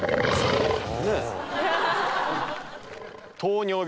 ねえ。